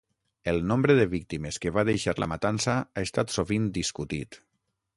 El nombre de víctimes que va deixar la matança ha estat sovint discutit.